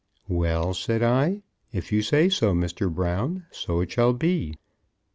"Well," said I, "if you say so, Mr. Brown, so it shall be."